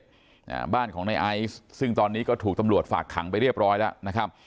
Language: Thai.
อ่าบ้านของในไอซ์ซึ่งตอนนี้ก็ถูกตำรวจฝากขังไปเรียบร้อยแล้วนะครับ